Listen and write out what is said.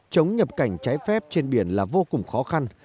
chống nhập cảnh trái phép trên biển là vô cùng khó khăn